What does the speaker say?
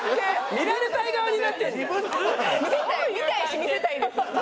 見たいし見せたいんです。